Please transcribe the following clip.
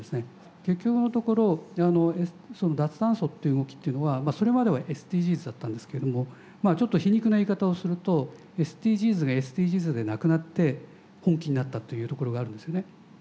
結局のところその脱炭素っていう動きっていうのはそれまではＳＤＧｓだったんですけれどもまあちょっと皮肉な言い方をするとＳＤＧｓがＳＤＧｓでなくなって本気になったというところがあるんですね。